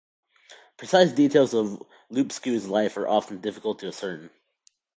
Precise details of Lupescu's life are often difficult to ascertain.